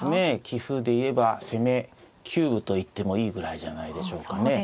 棋風で言えば攻め九分と言ってもいいぐらいじゃないでしょうかね。